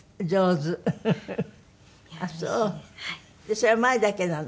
それは前だけなの？